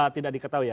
tidak diketahui ya